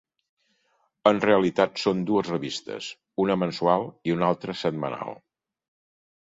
En realitat són dues revistes, una mensual i una altra setmanal.